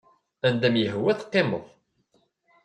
Anda i m-yehwa teqqimeḍ.